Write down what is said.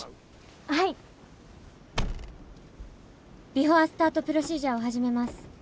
ビフォースタートプロシージャーを始めます。